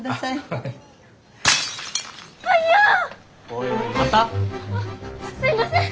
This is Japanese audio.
あっすいません！